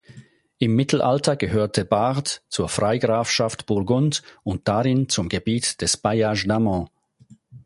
Im Mittelalter gehörte Bard zur Freigrafschaft Burgund und darin zum Gebiet des Bailliage d’Amont.